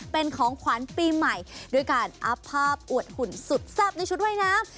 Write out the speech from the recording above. เป็นของขวัญปีใหม่ด้วยการอัพภาพอวดหุ่นสุดแซ่บในชุดว่ายน้ำ